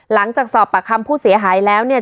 หลังจากสอบประคพลลิกชผู้เสียหายแล้วเนี่ย